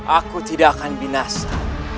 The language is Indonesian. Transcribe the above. aku tidak akan binasa